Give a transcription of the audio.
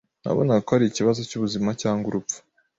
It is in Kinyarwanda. Nabonaga ko ari ikibazo cyubuzima cyangwa urupfu.